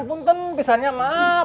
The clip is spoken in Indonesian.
punten pisannya maaf